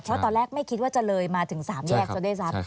เพราะตอนแรกไม่คิดว่าจะเลยมาถึง๓แยกซะด้วยซ้ำ